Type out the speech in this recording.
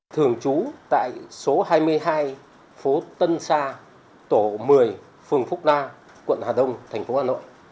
thường trú tại số hai mươi hai phố tân sa tổ một mươi phường phúc la quận hà đông thành phố hà nội